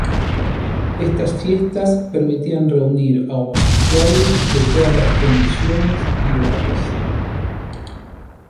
Estas fiestas permitían reunir a homosexuales de todas las condiciones y edades.